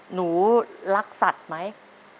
หนูรักสัตว์ไหม